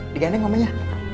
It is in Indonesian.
dekat dengan rumahnya